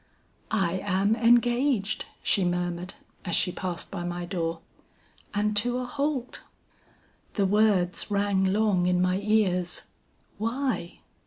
'I am engaged,' she murmured as she passed by my door, 'and to a Holt!' The words rang long in my ears; why?